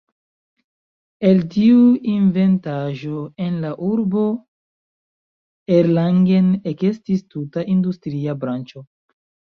El tiu inventaĵo en la urbo Erlangen ekestis tuta industria branĉo.